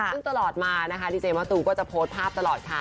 ซึ่งตลอดมานะคะดีเจมะตูมก็จะโพสต์ภาพตลอดค่ะ